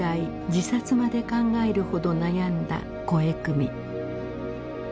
自殺まで考えるほど悩んだ肥汲み。